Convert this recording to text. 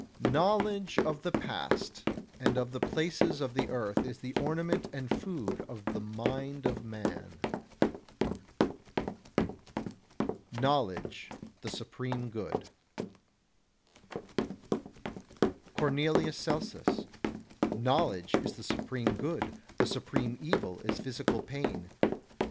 13. Knowledge of the past and of the places of the earth is the ornament and food of the mind of man. [Sidenote: Knowledge the supreme Good] 14. Cornelius Celsus: Knowledge is the supreme good, the supreme evil is physical pain.